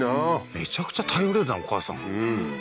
めちゃくちゃ頼れるなお母さんうん